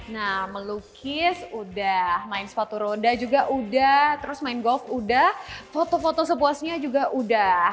nah melukis udah main sepatu roda juga udah terus main golf udah foto foto sepuasnya juga udah